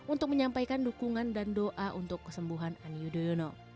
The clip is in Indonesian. untuk menyampaikan dukungan dan doa untuk kesembuhan ani yudhoyono